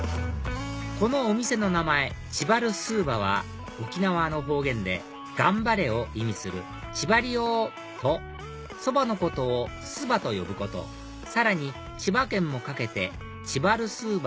このお店の名前「ちバルすーば」は沖縄の方言で頑張れを意味する「チバリヨー」とそばのことを「すば」と呼ぶことさらに千葉県も掛けて「ちバルすーば」